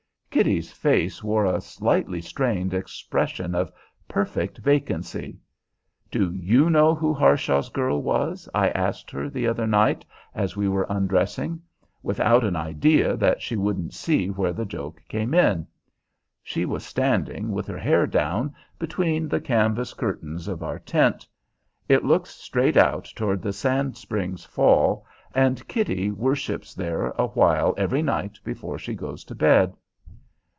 Kitty's face wore a slightly strained expression of perfect vacancy. "Do you know who Harshaw's 'girl' was?" I asked her the other night, as we were undressing, without an idea that she wouldn't see where the joke came in. She was standing, with her hair down, between the canvas curtains of our tent. It looks straight out toward the Sand Springs Fall, and Kitty worships there awhile every night before she goes to bed.